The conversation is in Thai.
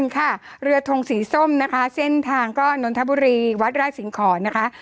ค่ะเรือทงสีส้มนะคะเส้นทางก็นนทบุรีวัดราชสิงหอนนะคะ